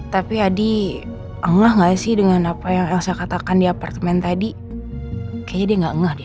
tapi adi engah nggak sih dengan apa yang yessa katakan di apartemen tadi kayaknya dia nggak engah deh